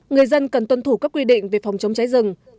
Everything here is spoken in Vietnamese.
người dân cần tuân thủ các quy định về phòng chống cháy rừng